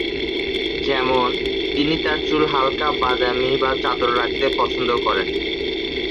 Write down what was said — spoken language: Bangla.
যেমন, তিনি তার চুল হালকা বাদামী বা চাদর রাখতে পছন্দ করেন।